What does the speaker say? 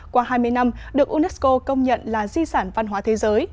qua hai mươi năm được unesco công nhận là di sản văn hóa thế giới